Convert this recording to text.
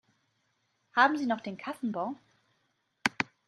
Haben Sie noch den Kassenbon?